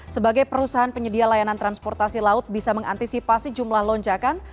sebagai perusahaan penyedia layanan transportasi laut bisa mengantisipasi jumlah lonjakan